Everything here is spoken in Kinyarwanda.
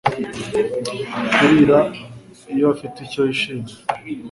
kurira iyo afite icyo yishimira